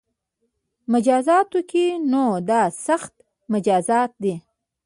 مجازاتو کې نو دا سخت مجازات دي